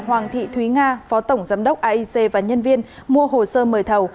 hoàng thị thúy nga phó tổng giám đốc aic và nhân viên mua hồ sơ mời thầu